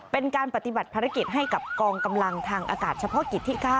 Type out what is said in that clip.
เป็นการปฏิบัติภารกิจให้กับกองกำลังทางอากาศเฉพาะกิจที่๙